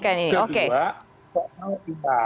kedua soal kita